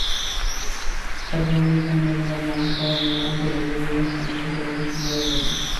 Serving ডিসে মেজবানি মাংস নিয়ে ওপরে বেরেস্তা দিয়ে পরিবেশন করা যাবে।